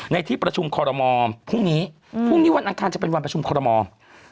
ในที่ประชุมคอลโรมอ่อพรุ่งนี้วันอันทางจะเป็นวันประชุมคอลโรมอ่อ